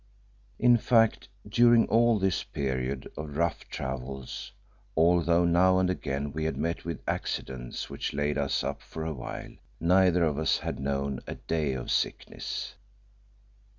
In fact, during all this period of rough travels, although now and again we had met with accidents which laid us up for awhile, neither of us had known a day of sickness.